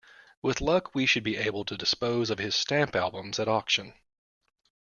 With luck, we should be able to dispose of his stamp albums at auction